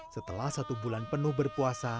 setelah satu bulan penuh berpuasa